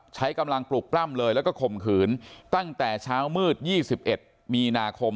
ใช้กำลังปลุกปล้ำเลยแล้วก็ข่มขืนตั้งแต่เช้ามืด๒๑มีนาคม